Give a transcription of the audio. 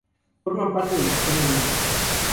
Forman parte del sistema límbico.